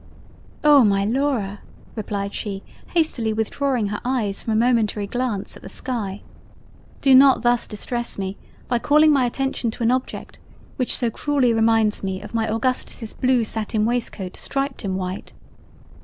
"Oh! my Laura (replied she hastily withdrawing her Eyes from a momentary glance at the sky) do not thus distress me by calling my Attention to an object which so cruelly reminds me of my Augustus's blue sattin waistcoat striped in white!